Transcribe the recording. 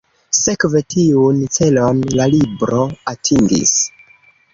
Sekve, tiun celon la libro atingis.